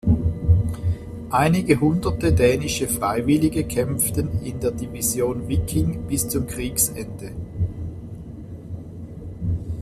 Einige hunderte dänische Freiwillige kämpften in der Division „Wiking“ bis zum Kriegsende.